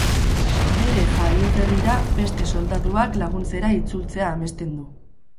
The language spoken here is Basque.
Bere jaioterrira beste soldaduak laguntzera itzultzea amesten du.